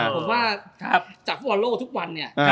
ผมว่าจากฟุตบอลโลกทุกวันเนี่ย